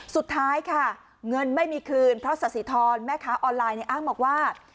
สุดท้ายค่ะเงินไม่มีคืนเพราะสาธิธรแม่ค้าออนไลน์อ้างบอกว่า